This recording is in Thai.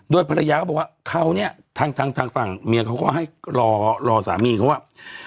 โดยภรรยาก็บอกว่าเขาเนี่ยทางฝั่งเมียเขาก็ให้รอสามีเขาว่า